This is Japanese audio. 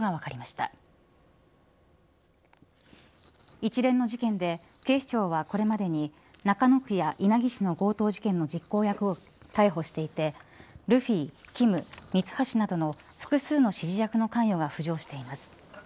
一連の事件で警視庁はこれまでに中野区や稲城市の強盗事件の実行役を逮捕していてルフィ、キム、ミツハシなどの複数の指示役の関与が浮上しています。